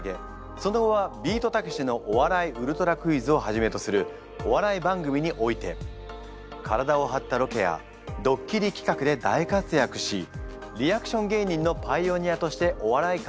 その後は「ビートたけしのお笑いウルトラクイズ！！」をはじめとするお笑い番組において体をはったロケやドッキリ企画で大活躍しリアクション芸人のパイオニアとしてお笑い界をけんいん。